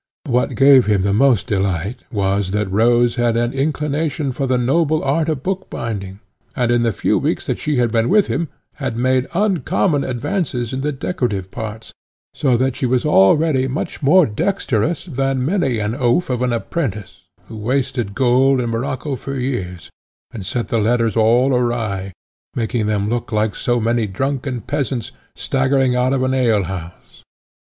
But what gave him the most delight was, that Rose had an inclination for the noble art of bookbinding, and in the few weeks that she had been with him had made uncommon advances in the decorative parts, so that she was already much more dexterous than many an oaf of an apprentice, who wasted gold and morocco for years, and set the letters all awry, making them look like so many drunken peasants, staggering out of an ale house.